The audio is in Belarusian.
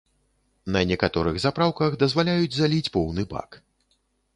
На некаторых запраўках дазваляюць заліць поўны бак.